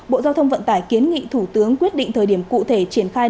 bộ giao thông vận tải kiến nghị thủ tướng quyết định thời điểm cụ thể triển khai